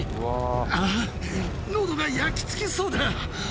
あー、のどが焼き付きそうだ！